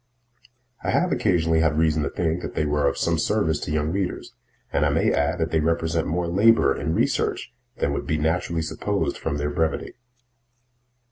I have occasionally had reason to think that they were of some service to young readers, and I may add that they represent more labor and research than would be naturally supposed from their brevity.